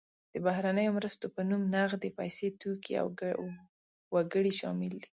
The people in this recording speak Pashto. د بهرنیو مرستو په نوم نغدې پیسې، توکي او وګړي شامل دي.